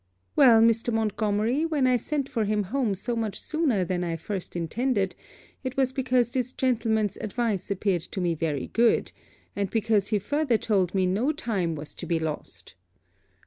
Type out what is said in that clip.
Well, Mr. Montgomery, when I sent for him home so much sooner than I first intended, it was because this gentleman's advice appeared to me very good, and because he further told me no time was to be lost.